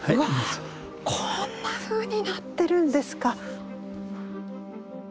こんなふうになってるんですか！